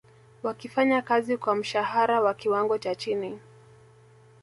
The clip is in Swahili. wakifanya kazi kwa mshahara wa kiwango cha chini